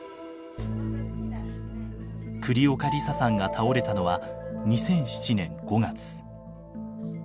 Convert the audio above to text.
栗岡梨沙さんが倒れたのは２００７年５月。